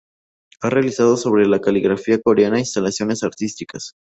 Ha realizado sobre la caligrafía coreana instalaciones artísticas.